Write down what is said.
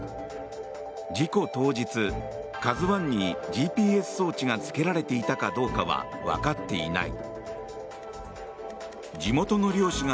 事故当日「ＫＡＺＵ１」にＧＰＳ装置がつけられていたかどうかはわかっていない。